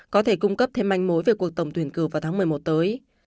có thể cung cấp thêm manh mối về cuộc tổng tuyển cử vào tháng một mươi một tới